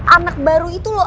anak baru itu loh